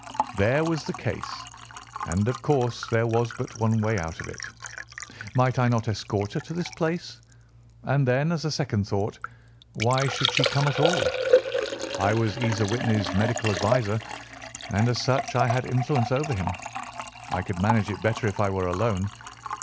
There was the case, and of course there was but one way out of it. Might I not escort her to this place? And then, as a second thought, why should she come at all? I was Isa Whitney's medical adviser, and as such I had influence over him. I could manage it better if I were alone.